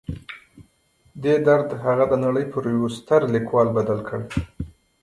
دې درد هغه د نړۍ پر یوه ستر لیکوال بدل کړ